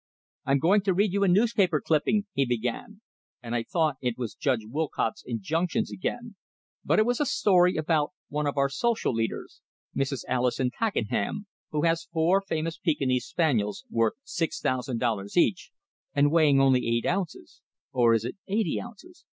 "I'm going to read you a newspaper clipping," he began; and I thought it was Judge Wollcott's injunction again, but it was a story about one of our social leaders, Mrs. Alinson Pakenham, who has four famous Pekinese spaniels, worth six thousand dollars each, and weighing only eight ounces or is it eighty ounces?